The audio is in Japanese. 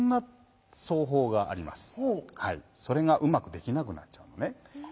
それがうまくできなくなっちゃうのね。